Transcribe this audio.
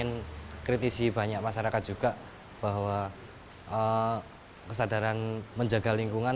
dan kita ingin kritisi banyak masyarakat juga bahwa kesadaran menjaga lingkungan